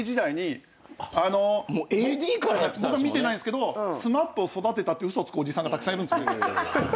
僕は見てないんすけどＳＭＡＰを育てたって嘘つくおじさんがたくさんいる。